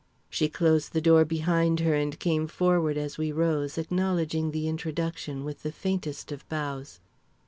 She closed the door behind her and came forward as we rose, acknowledging the introduction with the faintest of bows.